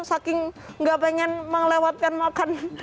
saking gak pengen melewatkan makan